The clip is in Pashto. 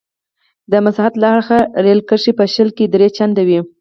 د مساحت له اړخه رېل کرښې په شل کې درې چنده وې.